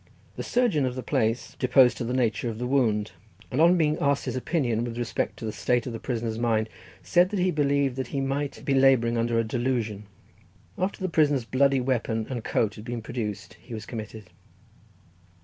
The surgeon of the place deposed to the nature of the wound, and on being asked his opinion with respect to the state of the prisoner's mind, said that he believed that he might be labouring under a delusion. After the prisoner's bloody weapon and coat had been produced, he was committed.